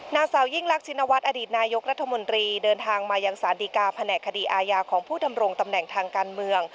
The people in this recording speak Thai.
นางสาวยิ่งรักชินวัฒน์อดีตนายกรัฐมนตรีเดินทางมายังสารดีกาแผนกคดีอาญาของผู้ดำรงตำแหน่งทางการเมือง